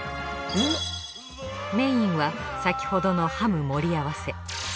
メインは先ほどのハム盛り合わせ。